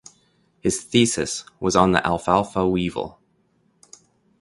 His thesis was on the alfalfa weevil.